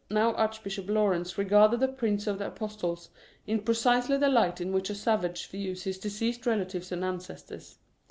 Now Archbishop Laurence regarded the Prince of the Apostles in precisely the light in which a savage views his deceased relatives and ancestors.